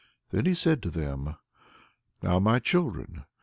Then said he to them: "Now, my children!